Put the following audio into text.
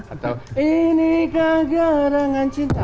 atau ini kegerangan cinta